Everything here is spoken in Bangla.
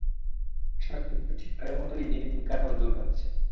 আশার কিন্তু ঠিক আগের মতোই নির্বিকারভাবে দোল খাচ্ছে।